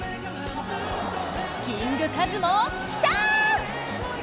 キングカズもきた！